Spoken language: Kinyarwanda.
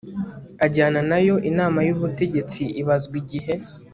ajyana nayo inama y ubutegetsi ibazwa igihe